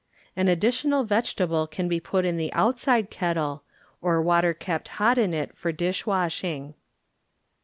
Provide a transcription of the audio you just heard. An additional vegetable can be Eut in the outside kettle, or water kept ot in it for dishwashing.